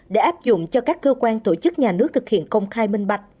để áp dụng cho các cơ quan tổ chức nhà nước thực hiện công khai minh bạch